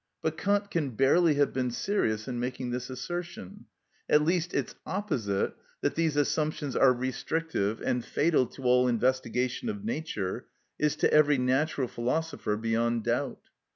But Kant can barely have been serious in making this assertion. At least its opposite, that these assumptions are restrictive and fatal to all investigation of nature, is to every natural philosopher beyond doubt.